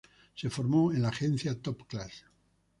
Se formó en la agencia Top Class.